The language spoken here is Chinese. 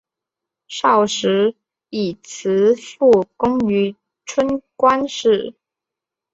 少时以辞赋贡于春官氏。